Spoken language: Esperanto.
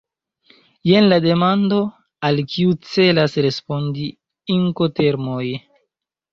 Jen la demando, al kiu celas respondi Inkotermoj.